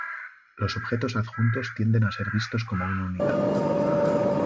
Los objetos adjuntos tienden a ser vistos como una unidad.